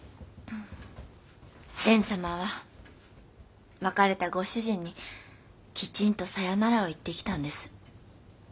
蓮様は別れたご主人にきちんとさよならを言ってきたんです。